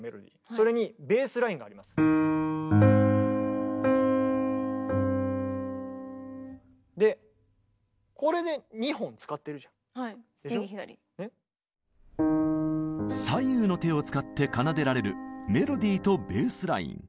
それにでこれで左右の手を使って奏でられるメロディーとベースライン。